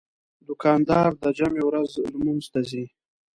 دوکاندار د جمعې ورځ لمونځ ته ځي.